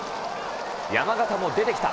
山縣も出てきた。